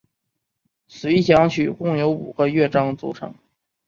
随想曲共有五个乐章组成。